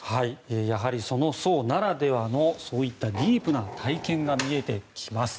やはりその層ならではのディープな体験が見えてきます。